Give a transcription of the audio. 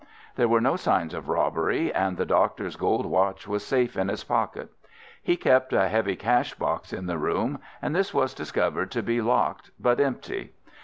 There were no signs of robbery, and the doctor's gold watch was safe in his pocket. He kept a heavy cash box in the room, and this was discovered to be locked but empty.